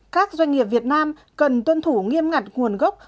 các doanh nghiệp việt nam cần tuân thủ nghiêm ngặt nguồn gốc